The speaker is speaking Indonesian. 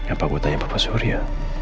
apa mau tanya bapak surya